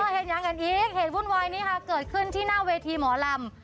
เห็นยังกันอีกเหตุวุ่นวายนี้ค่ะเกิดขึ้นที่หน้าเวทีหมอลำ